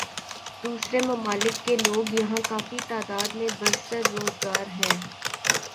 دوسرے ممالک کے لوگ یہاں کافی تعداد میں برسر روزگار ہیں